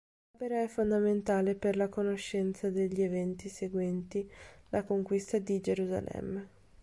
L'opera è fondamentale per la conoscenza degli eventi seguenti la conquista di Gerusalemme.